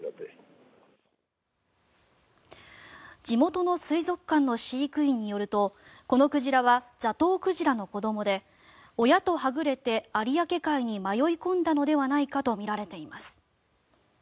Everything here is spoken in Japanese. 地元の水族館の飼育員によるとこの鯨はザトウクジラの子どもで親とはぐれて有明海に迷い込んだのではないかとみられています。